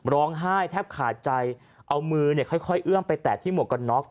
ร้องไห้แทบขาดใจเอามือเนี่ยค่อยเอื้อมไปแตะที่หมวกกันน็อก